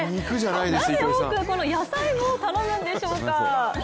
なぜ多くの野菜を頼むんでしょうか。